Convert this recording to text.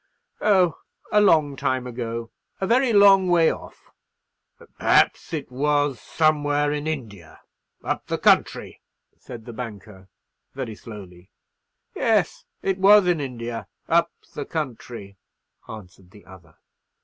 "Oh, a long time ago—a very long way off!" "Perhaps it was—somewhere in India—up the country?' said the banker, very slowly. "Yes, it was in India—up the country," answered the other.